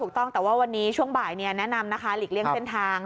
ถูกต้องแต่ว่าวันนี้ช่วงบ่ายแนะนำนะคะหลีกเลี่ยงเส้นทาง